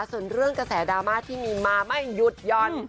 ส่วนเรื่องกระแสดราม่าที่มีมาไม่หยุดหย่อน